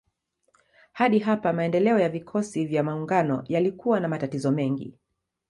Hadi hapa maendeleo ya vikosi vya maungano yalikuwa na matatizo mengi.